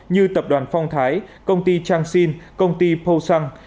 như tập đoàn phong thái công ty changxin công ty poussang